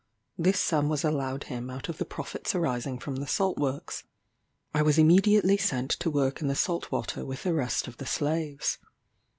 This sum was allowed him out of the profits arising from the salt works. I was immediately sent to work in the salt water with the rest of the slaves.